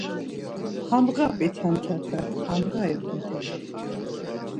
Handğa p̌it hetepe, handğa ivu mtel.